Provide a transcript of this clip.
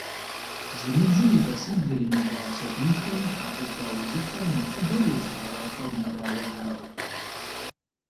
Зи ныбжьыр илъэсибл иримыкъуа сабийхэм хьэкъупӏэ узыфэр нэхъыбэу езыгъэуалӏэр мырауэ жаӏэр.